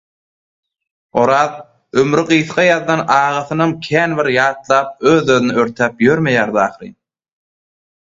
Oraz ömri gysga ýazylan agasynam kän bir ýatlap öz-özüni örtäp ýörmeýärdi ahyryn.